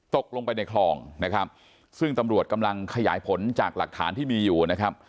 ตกลงไปในคลองนะครับซึ่งตำรวจกำลังขยายผลจากหลักฐานที่มีอยู่นะครับ